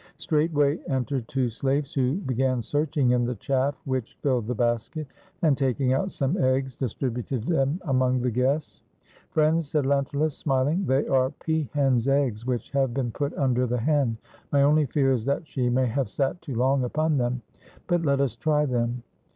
Straightway en tered two slaves, who began searching in the chaff which filled the basket, and taking out some eggs, distributed them among the guests. " Friends," said Lentulus, smil ing, "they are pea hen's eggs, which have been put under the hen ; my only fear is that she may have sat too long upon them; but let us try them."